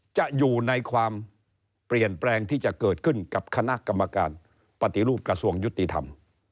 จะอยู่ในความเปลี่ยนแปลงที่จะเกิดขึ้นกับคณะกรรมการปฏิรูปกระทรวงยุติธรรม